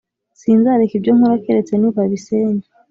Sinzareka ibyo nkora keretse nibabisenya